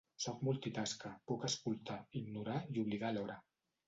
Soc multitasca: puc escoltar, ignorar i oblidar alhora.